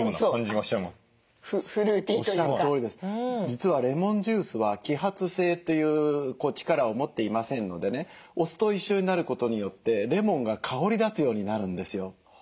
実はレモンジュースは揮発性という力を持っていませんのでねお酢と一緒になることによってレモンが香り立つようになるんですよ。